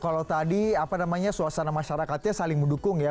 kalau tadi apa namanya suasana masyarakatnya saling mendukung ya